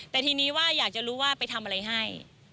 แต่ทีนี้ว่าอยากจะรู้ว่าไปทำอะไรให้